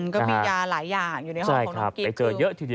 ก็มียาหลายอย่างอยู่ในหอมของน้องกิ๊บ